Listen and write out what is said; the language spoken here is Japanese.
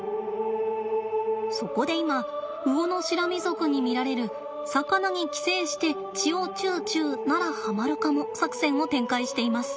そこで今ウオノシラミ属に見られる魚に寄生して血をチュウチュウならハマるかも作戦を展開しています。